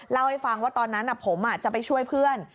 เล่าให้ฟังว่าตอนนั้นผมจะไปช่วยเพื่อน